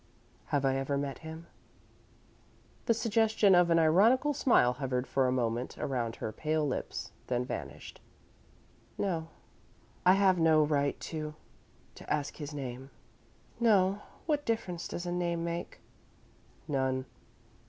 "Have I ever met him?" The suggestion of an ironical smile hovered for a moment around her pale lips, then vanished. "No." "I have no right to to ask his name." "No. What difference does a name make?" "None.